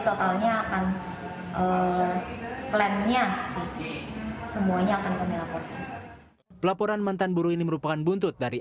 totalnya akan plannya semuanya akan dilaporkan pelaporan mentan buruh ini merupakan buntut dari